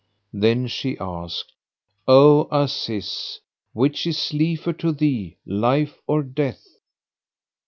Then she asked, "O Aziz, which is liefer to thee life or death?"